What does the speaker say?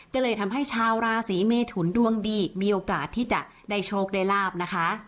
ก็เลยทำให้ชาวราศีเมทุนดวงดีมีโอกาสที่จะได้โชคได้ลาบนะคะ